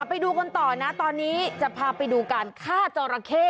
ไปดูกันต่อนะตอนนี้จะพาไปดูการฆ่าจอราเข้